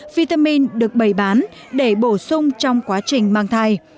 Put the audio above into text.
vitamin được bày bán để bổ sung trong quá trình mang thai